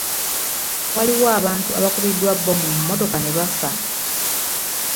Waliwo abantu abakubidwa bbomu mu mmotoka ne baffa.